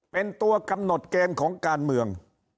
เป็นตัวกำหนดเกณฑ์ของการเมือง